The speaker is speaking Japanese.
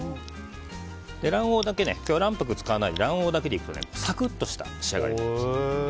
卵黄だけで今日、卵白を使わないで卵黄だけでいくとサクッとした仕上がりになります。